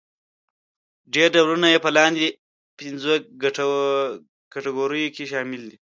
ډېری ډولونه يې په لاندې پنځو کټګوریو کې شامل دي.